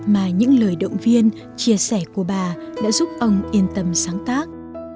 mà những lời động viên chia sẻ của bà đã giúp ông yên tâm sáng tác